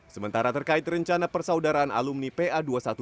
sementara terkait rencana persaudaraan alumni pa dua ratus dua belas